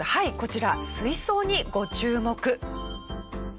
水槽にご注目。